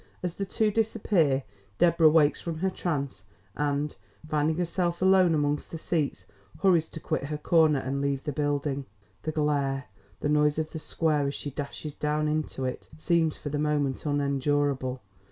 As the two disappear, Deborah wakes from her trance, and, finding herself alone among the seats, hurries to quit her corner and leave the building. The glare the noise of the square, as she dashes down into it seems for the moment unendurable.